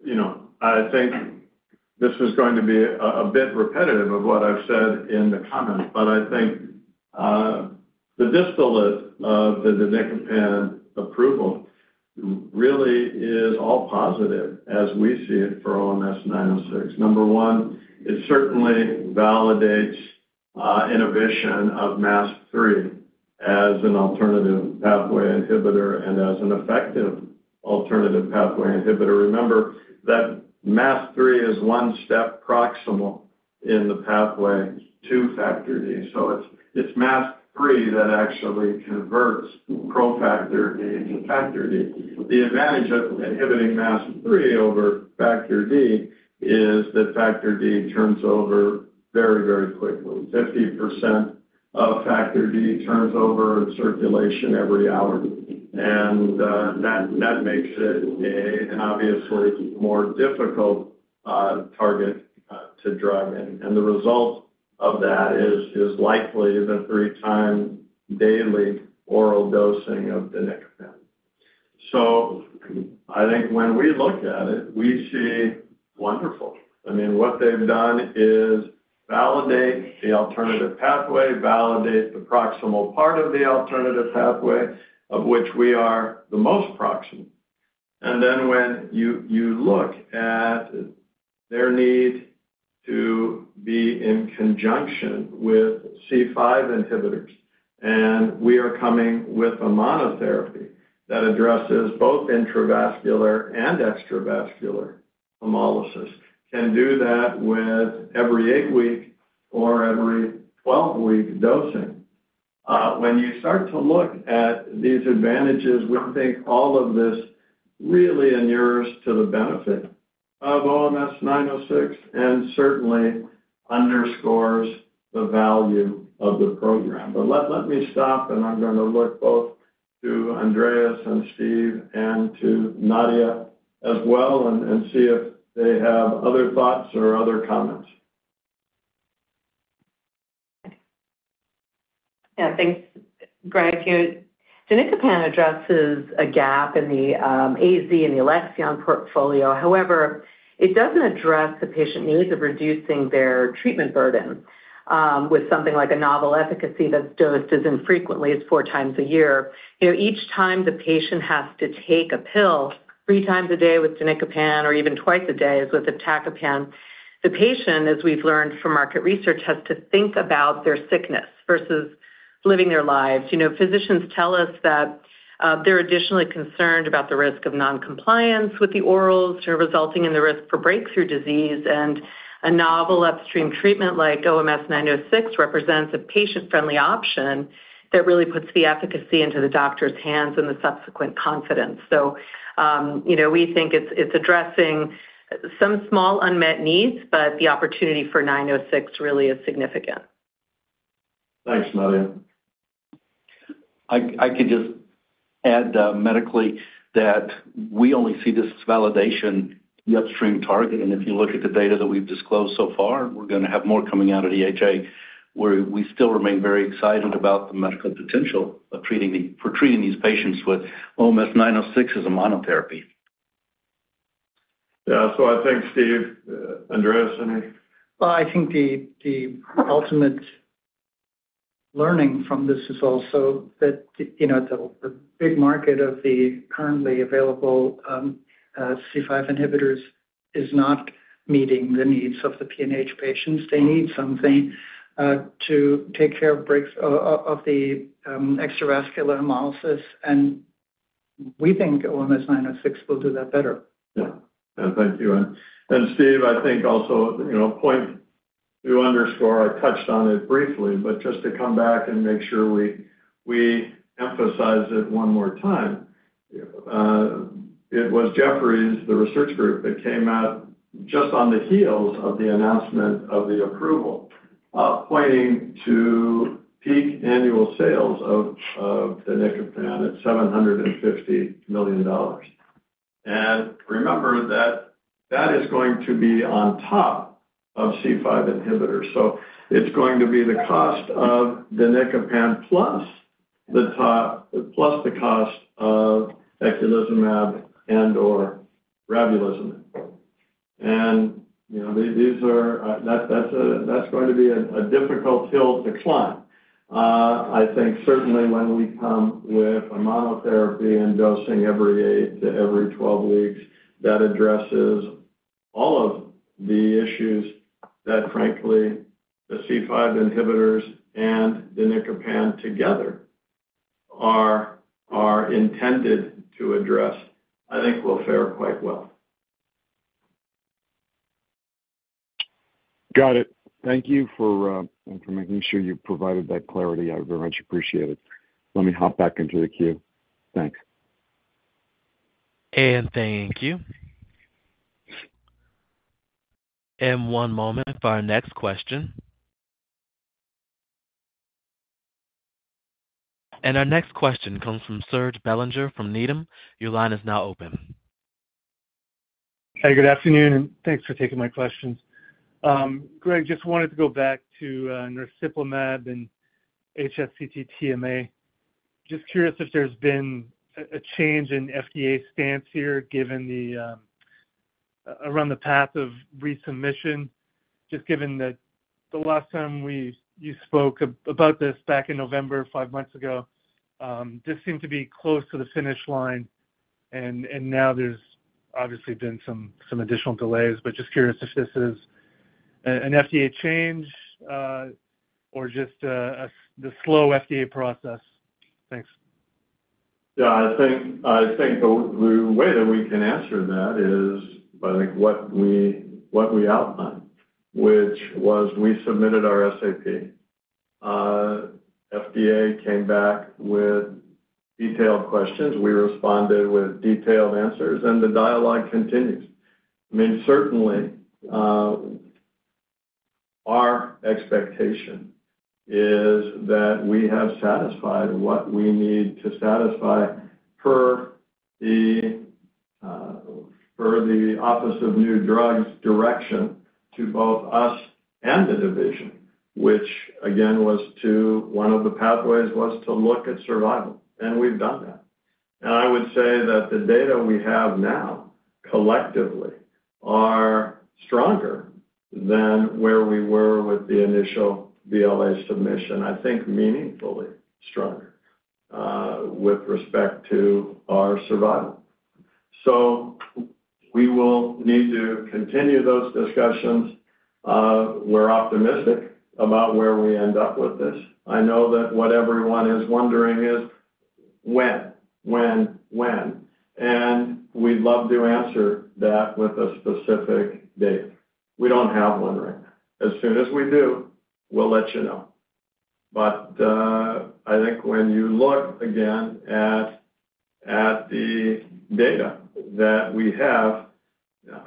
You know, I think this is going to be a bit repetitive of what I've said in the comments, but I think the distillate of the danicopan approval really is all positive as we see it for OMS906. Number one, it certainly validates inhibition of MASP-3 as an alternative pathway inhibitor and as an effective alternative pathway inhibitor. Remember that MASP-3 is one step proximal in the pathway to Factor D. So it's MASP-3 that actually converts pro-Factor D to Factor D. The advantage of inhibiting MASP-3 over Factor D is that Factor D turns over very, very quickly. 50% of Factor D turns over in circulation every hour, and that makes it an obviously more difficult target to drug. The result of that is likely the three-time daily oral dosing of danicopan. So I think when we look at it, we see wonderful. I mean, what they've done is validate the alternative pathway, validate the proximal part of the alternative pathway, of which we are the most proximal. And then when you look at their need to be in conjunction with C5 inhibitors, and we are coming with a monotherapy that addresses both intravascular and extravascular hemolysis, can do that with every eight-week or every 12-week dosing. When you start to look at these advantages, we think all of this really inures to the benefit of OMS906 and certainly underscores the value of the program. But let me stop, and I'm going to look both to Andreas and Steve and to Nadia as well, and see if they have other thoughts or other comments. Yeah. Thanks, Greg. Danicopan addresses a gap in the AZ and the Alexion portfolio. However, it doesn't address the patient needs of reducing their treatment burden with something like a novel efficacy that's dosed as infrequently as four times a year. You know, each time the patient has to take a pill three times a day with danicopan, or even twice a day as with iptacopan, the patient, as we've learned from market research, has to think about their sickness versus living their lives. You know, physicians tell us that they're additionally concerned about the risk of non-compliance with the orals, resulting in the risk for breakthrough disease. And a novel upstream treatment like OMS906 represents a patient-friendly option that really puts the efficacy into the doctor's hands and the subsequent confidence. You know, we think it's addressing some small unmet needs, but the opportunity for 906 really is significant. Thanks, Nadia. I could just add, medically, that we only see this as validation, the upstream target. And if you look at the data that we've disclosed so far, we're going to have more coming out of the EHA, where we still remain very excited about the medical potential of treating these patients with OMS906 as a monotherapy. Yeah. So I think, Steve, Andreas, any? Well, I think the ultimate learning from this is also that, you know, the big market of the currently available C5 inhibitors is not meeting the needs of the PNH patients. They need something to take care of breaks of the extravascular hemolysis, and we think OMS906 will do that better. Yeah. Thank you. And Steve, I think also, you know, a point to underscore, I touched on it briefly, but just to come back and make sure we emphasize it one more time. It was Jefferies, the research group, that came out just on the heels of the announcement of the approval, pointing to peak annual sales of danicopan at $750 million. And remember that that is going to be on top of C5 inhibitors. So it's going to be the cost of danicopan plus the top, plus the cost of eculizumab and/or ravulizumab. And, you know, these are... That, that's a-- That's going to be a difficult hill to climb. I think certainly when we come with a monotherapy and dosing every eight to 12 weeks, that addresses... all of the issues that frankly, the C5 inhibitors and the danicopan together are intended to address, I think will fare quite well. Got it. Thank you for, for making sure you provided that clarity. I very much appreciate it. Let me hop back into the queue. Thanks. Thank you. One moment for our next question. Our next question comes from Serge Belanger from Needham. Your line is now open. Hey, good afternoon, and thanks for taking my questions. Greg, just wanted to go back to narsoplimab and HSCT-TMA. Just curious if there's been a change in FDA stance here, given the around the path of resubmission, just given that the last time we-- you spoke about this back in November, five months ago, this seemed to be close to the finish line, and now there's obviously been some additional delays, but just curious if this is an FDA change, or just the slow FDA process? Thanks. Yeah, I think the way that we can answer that is by what we outlined, which was we submitted our SAP. FDA came back with detailed questions. We responded with detailed answers, and the dialogue continues. I mean, certainly, our expectation is that we have satisfied what we need to satisfy per the Office of New Drugs direction to both us and the division, which again, was to one of the pathways, was to look at survival, and we've done that. And I would say that the data we have now, collectively, are stronger than where we were with the initial BLA submission, I think meaningfully stronger, with respect to our survival. So we will need to continue those discussions. We're optimistic about where we end up with this. I know that what everyone is wondering is when, when, when? And we'd love to answer that with a specific date. We don't have one right now. As soon as we do, we'll let you know. But, I think when you look again at the data that we have,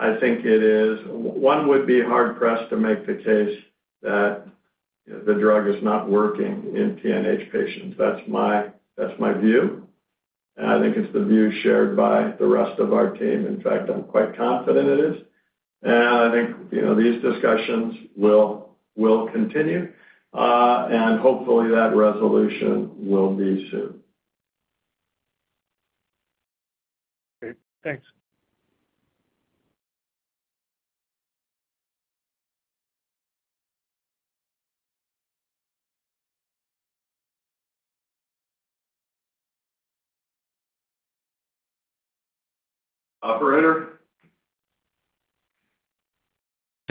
I think it is... One would be hard pressed to make the case that the drug is not working in TA-TMA patients. That's my, that's my view, and I think it's the view shared by the rest of our team. In fact, I'm quite confident it is. And I think, you know, these discussions will continue, and hopefully that resolution will be soon. Great. Thanks. Operator?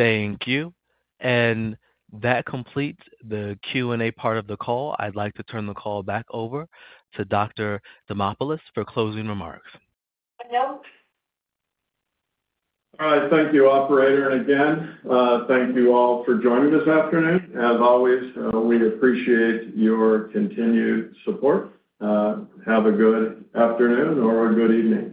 Thank you. That completes the Q&A part of the call. I'd like to turn the call back over to Dr. Demopulos for closing remarks. All right. Thank you, operator, and again, thank you all for joining this afternoon. As always, we appreciate your continued support. Have a good afternoon or a good evening.